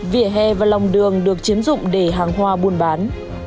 vỉa hè và lòng đường được chiếm dụng để hàng hoa buôn bán